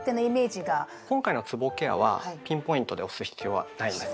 今回のつぼケアはピンポイントで押す必要はないんです。